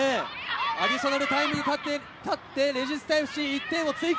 アディショナルタイムになってレジスタＦＣ、１点を追加。